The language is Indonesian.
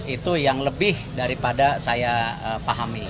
itu yang lebih daripada saya pahami